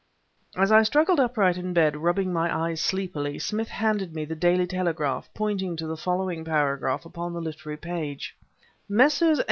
As I struggled upright in bed, rubbing my eyes sleepily, Smith handed me the Daily Telegraph, pointing to the following paragraph upon the literary page: Messrs.